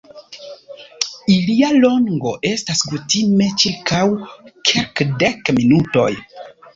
Ilia longo estas kutime ĉirkaŭ kelkdek minutoj.